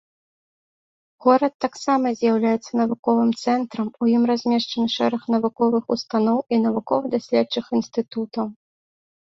Горад таксама з'яўляецца навуковым цэнтрам, у ім размешчаны шэраг навуковых устаноў і навукова-даследчых інстытутаў.